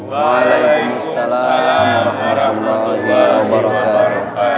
waalaikumsalam warahmatullahi wabarakatuh